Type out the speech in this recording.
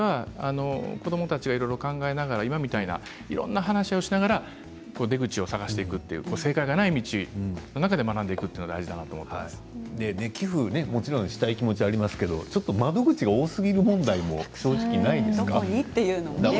そういう意味では子どもたちはいろいろ考えながら今のようないろんな話をしながら出口を探していくという正解はない道の中で学んでいくという寄付をしたい気持ちはありますけれど窓口が多すぎる問題がありませんか。